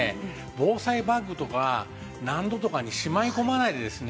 防災バッグとか納戸とかにしまい込まないでですね